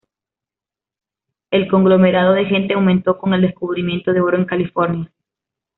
El conglomerado de gente aumentó con el descubrimiento de oro en California.